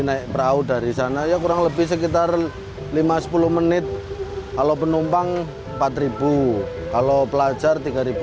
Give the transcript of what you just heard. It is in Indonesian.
naik perahu dari sana ya kurang lebih sekitar lima sepuluh menit kalau penumpang empat ribu kalau pelajar tiga